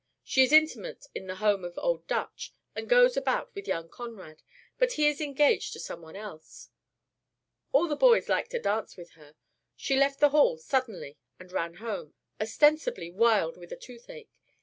She is intimate in the home of Old Dutch and goes about with young Conrad, but he is engaged to some one else. All the boys like to dance with her. She left the hall suddenly and ran home ostensibly wild with a toothache.